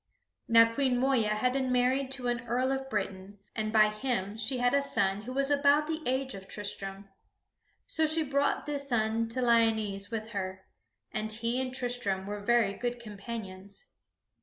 Now Queen Moeya had been married to an Earl of Britain, and by him she had a son who was about the age of Tristram. So she brought this son to Lyonesse with her, and he and Tristram were very good companions.